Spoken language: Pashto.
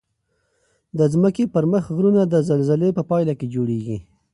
د ځمکې پر مخ غرونه د زلزلې په پایله کې جوړیږي.